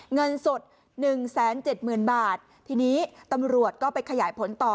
เงินสด๑๗๐๐๐บาททีนี้ตำรวจก็ไปขยายผลต่อ